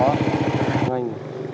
cảm ơn anh